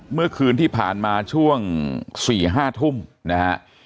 เมื่อคืนที่ผ่านมาช่วง๔๕ทุ่มนะฮะ